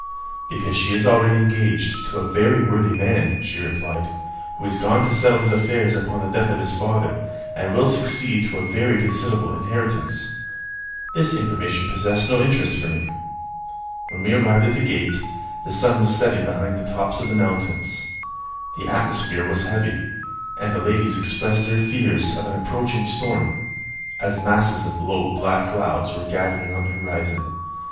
"Because she is already engaged to a very worthy man," she replied, "who is gone to settle his affairs upon the death of his father, and will succeed to a very considerable inheritance." This information possessed no interest for me. When we arrived at the gate, the sun was setting behind the tops of the mountains. The atmosphere was heavy; and the ladies expressed their fears of an approaching storm, as masses of low black clouds were gathering in the horizon.